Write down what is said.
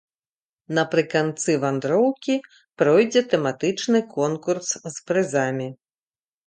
Напрыканцы вандроўкі пройдзе тэматычны конкурс з прызамі.